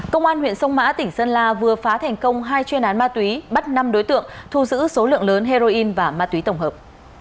công an huyện sông mã tỉnh sơn la vừa phá thành công hai chuyên án ma túy bắt năm đối tượng thu giữ số lượng lớn heroin và ma túy tổng hợp